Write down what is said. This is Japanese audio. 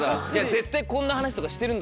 絶対こんな話とかしてるんだって。